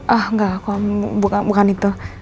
ah enggak bukan itu